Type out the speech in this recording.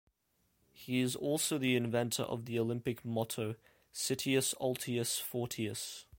He is also the inventor of the Olympic motto "Citius altius fortius".